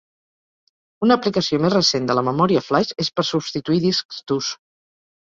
Una aplicació més recent de la memòria flaix és per substituir discs durs.